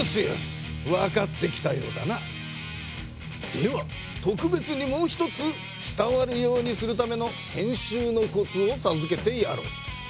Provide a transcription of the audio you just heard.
ではとくべつにもう一つ伝わるようにするための編集のコツをさずけてやろう。